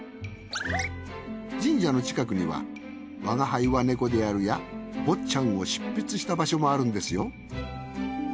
神社の近くには『吾輩は猫である』や『坊っちゃん』を執筆した場所もあるんですよ。